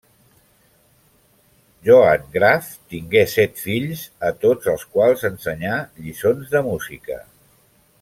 Johann Graf tingué set fills a tots els quals ensenyà lliçons de música.